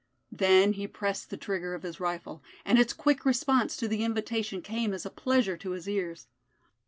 Then he pressed the trigger of his rifle, and its quick response to the invitation came as a pleasure to his ears.